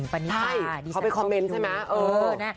เขาไปคอมเมนต์ใช่มั้ย